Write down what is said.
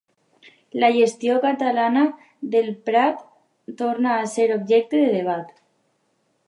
la gestió catalana del Prat torna a ser objecte de debat